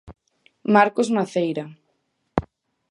Marcos Maceira.